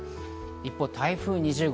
一方、台風２０号。